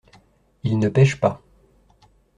Il ne pêche pas.